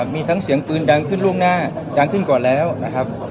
มีทั้งเสียงปืนดังขึ้นล่วงหน้าดังขึ้นก่อนแล้วนะครับ